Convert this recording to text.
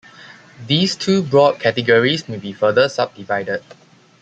These two broad categories may be further subdivided.